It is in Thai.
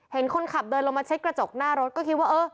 เห็นคนขับเดินลงมาเช็ดกระจกหน้ารถก็คิดว่าเออ